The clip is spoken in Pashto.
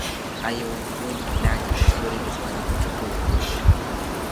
ایا د ونې لاندې دا سیوری به زما د موټر ټول بدن پټ کړي؟